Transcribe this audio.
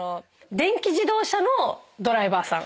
電気自動車のドライバーさん。